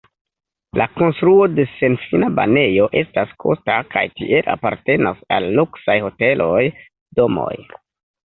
La konstruo de senfina banejo estas kosta kaj tiel apartenas al luksaj hoteloj, domoj.